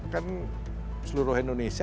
kan seluruh indonesia